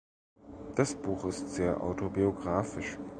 Das Buch ist sehr autobiographisch.